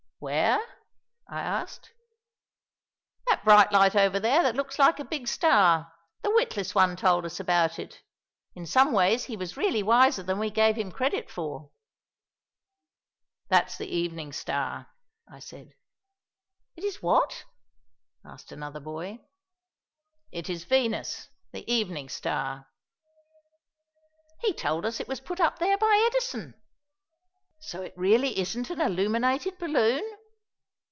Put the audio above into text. "Where?" I asked. "That bright light over there that looks like a big star. The Witless One told us about it. In some ways he was really wiser than we gave him credit for." "That's the Evening Star," I said. "It is what?" asked another boy. "It is Venus, the Evening Star." "He told us it was put up there by Edison." "So it really isn't an illuminated balloon?"